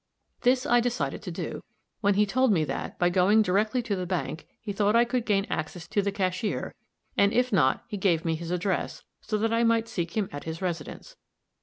This I decided to do; when he told me that, by going directly to the bank, he thought I could gain access to the cashier; and if not, he gave me his address, so that I might seek him at his residence.